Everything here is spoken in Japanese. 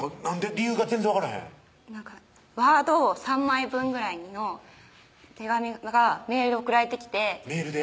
理由が全然分からへんＷｏｒｄ３枚分ぐらいの手紙がメールで送られてきてメールで？